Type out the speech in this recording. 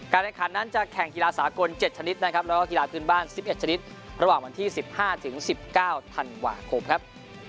ในขันนั้นจะแข่งกีฬาสากล๗ชนิดนะครับแล้วก็กีฬาพื้นบ้าน๑๑ชนิดระหว่างวันที่๑๕๑๙ธันวาคมครับ